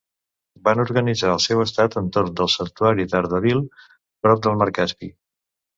Van organitzar el seu estat entorn del santuari d'Ardabil, prop del mar Caspi.